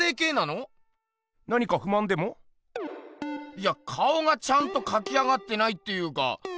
いや顔がちゃんとかき上がってないっていうか。